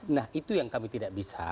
nah itu yang kami tidak bisa